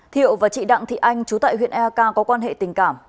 thiệu và chị đặng thị anh trú tại huyện ek có quan hệ tình cảm